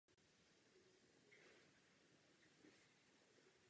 Místní průmysl je úzce spjat s dopravou.